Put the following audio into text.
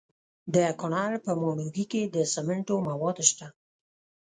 د کونړ په ماڼوګي کې د سمنټو مواد شته.